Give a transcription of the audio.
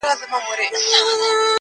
يوازې سوی يم يادونه د هغې نه راځي__